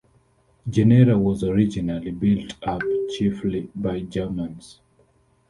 Jenera was originally built up chiefly by Germans.